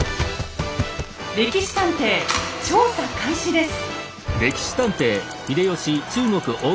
「歴史探偵」調査開始です！